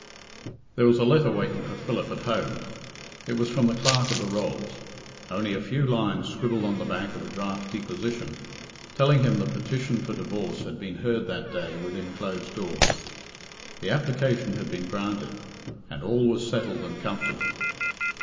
There was a letter waiting for Philip at home. It was from the Clerk of the Rolls. Only a few lines scribbled on the back of a draft deposition, telling him the petition for divorce had been heard that day within closed doors. The application had been granted, and all was settled and comfortable.